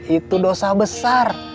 itu dosa besar